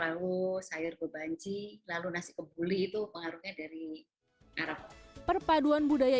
tahu sayur bebanji lalu nasi kebuli itu pengaruhnya dari arab perpaduan budaya